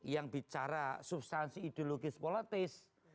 yang bicara substansi ideologis politis